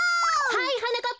はいはなかっ